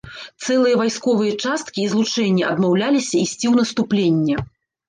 Цэлыя вайсковыя часткі і злучэнні адмаўляліся ісці ў наступленне.